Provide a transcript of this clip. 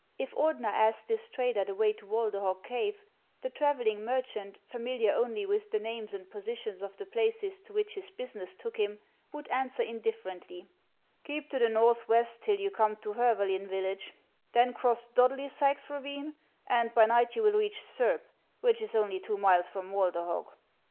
If Ordeuer asked this trader the way to Walderhog cave, the travelling merchant, familiar only with the names and positions of the places to which his business took him, would answer indifferently :" Keep to the northwest till you come to Hervalyn village, then cross Dodlvsax ravine, and by night you will reach Surb, which is only two miles from Walderhog."